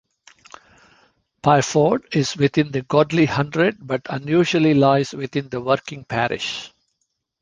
Pyrford is within the Godley hundred but unusually lies within the Woking parish.